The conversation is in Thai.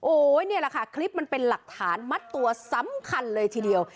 โอ้โหนี่แหละค่ะคลิปมันเป็นหลักฐานมัดตัวสำคัญเลยทีเดียว